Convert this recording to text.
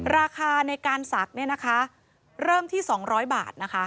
ราคาในการสักเริ่มที่๒๐๐บาท